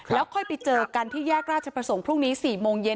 แล้วค่อยไปเจอกันที่แยกราชประสงค์พรุ่งนี้๔โมงเย็น